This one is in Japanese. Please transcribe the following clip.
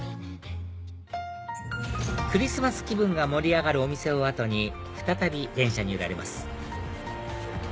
クリスマス気分が盛り上がるお店を後に再び電車に揺られます